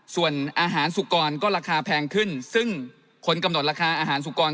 ส่วนอาหารสุกรก็ราคาแพงขึ้นซึ่งคนกำหนดราคาอาหารสุกร